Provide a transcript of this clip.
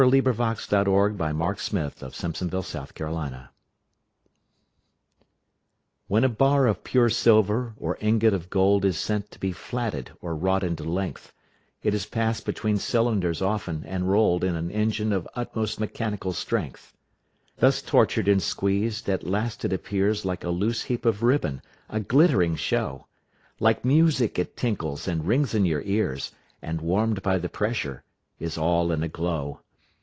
William Cowper The Flatting Mill An Illustration WHEN a bar of pure silver or ingot of gold Is sent to be flatted or wrought into length, It is pass'd between cylinders often, and roll'd In an engine of utmost mechanical strength. Thus tortured and squeezed, at last it appears Like a loose heap of ribbon, a glittering show, Like music it tinkles and rings in your ears, And warm'd by the pressure is all in a glow.